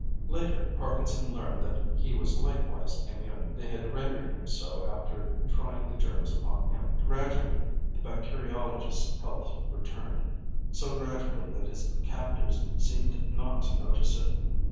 Later Parkinson learned that he was likewise immune; they had rendered him so after trying the germs upon him. Gradually the bacteriologist's health returned so gradually that his captors seemed not to notice it.